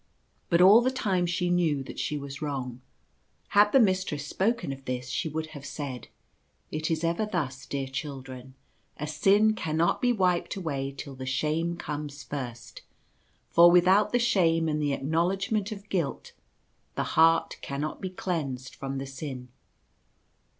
But all the time she knew that she was wrong. Had the mistress spoken of this, she would have said — ct It is ever thus, dear children. A sin cannot be wiped away till the shame comes first ; for without the shame and the acknowledgment of guilt the heart cannot be cleansed from the sin."